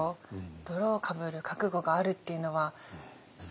泥をかぶる覚悟があるっていうのはすごいですね。